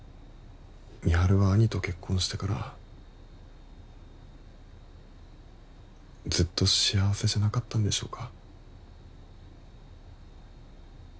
美晴は兄と結婚してからずっと幸せじゃなかったんでしょうか？